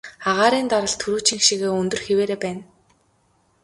Агаарын даралт түрүүчийнх шигээ өндөр хэвээрээ байна.